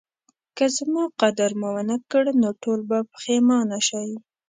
که زما قدر مو ونکړ نو ټول به پخیمانه شئ